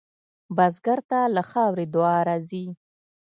بزګر ته له خاورې دعا راځي